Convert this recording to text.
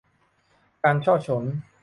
การฉ้อฉล